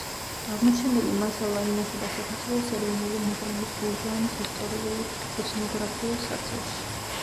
აღმოჩენილი მასალა ინახება საქართველოს ეროვნული მუზეუმის გურჯაანის ისტორიულ-ეთნოგრაფიულ საცავში.